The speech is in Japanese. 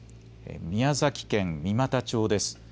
宮崎県三股町です。